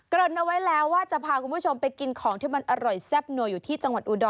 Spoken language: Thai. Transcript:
รินเอาไว้แล้วว่าจะพาคุณผู้ชมไปกินของที่มันอร่อยแซ่บนัวอยู่ที่จังหวัดอุดร